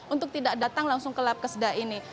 untuk tidak datang langsung ke lab keseda ini